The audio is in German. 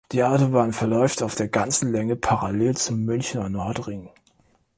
Die Autobahn verläuft auf der ganzen Länge parallel zum Münchner Nordring.